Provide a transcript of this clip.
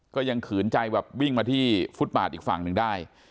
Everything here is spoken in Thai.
ขืนใจแบบวิ่งมาที่ฟุตบาทอีกฝั่งหนึ่งได้